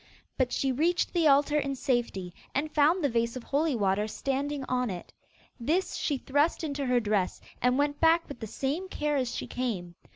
But she reached the altar in safety, and found the vase of holy water standing on it. This she thrust into her dress, and went back with the same care as she came.